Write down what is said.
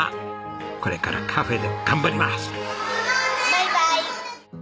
バイバイ。